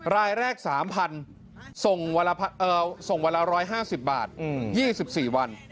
รายแรก๓๐๐๐ส่งวันละ๑๕๐บาท๒๔วัน